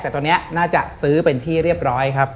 แต่ตอนนี้น่าจะซื้อเป็นที่เรียบร้อยครับ